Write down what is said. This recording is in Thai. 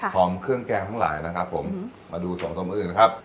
พร้อมเครื่องแกงทั้งหลายนะครับผมมาดูสองสมอื่นนะครับ